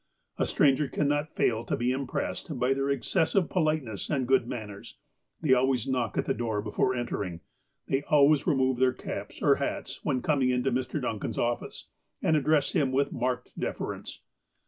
A stranger cannot fail to be impressed by their excess ive politeness and good manners. They always knock at the door before entering. They always remove their caps or hats when coming into Mr. Duncan's ofSce, and address him with marked deference.